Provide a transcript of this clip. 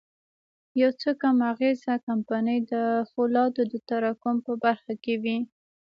يو څو کم اغېزه کمپنۍ د پولادو د تراکم په برخه کې وې.